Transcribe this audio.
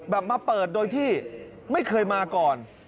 มาเปิดโดยที่ไม่เคยมาก่อน